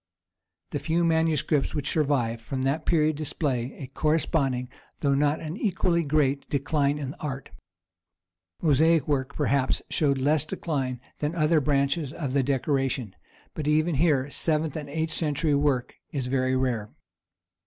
The few manuscripts which survive from that period display a corresponding, though not an equally great, decline in art. Mosaic work perhaps showed less decline than other branches of the decoration, but even here seventh and eighth century work is very rare.